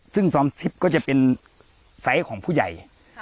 ซึ่งซ้อมซิปก็จะเป็นไซส์ของผู้ใหญ่